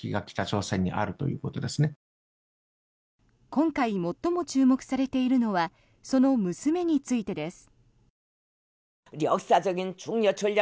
今回最も注目されているのはその娘についてです。